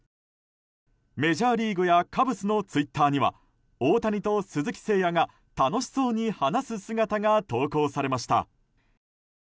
メジャーリーグやカブスのツイッターには大谷と鈴木誠也が、楽しそうに話す姿が投稿されました。